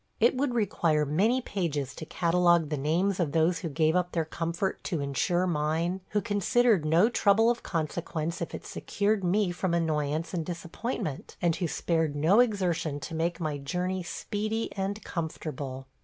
It would require many pages to catalogue the names of those who gave up their comfort to insure mine, who considered no trouble of consequence if it secured me from annoyance and disappointment, and who spared no exertion to make my journey speedy and comfortable.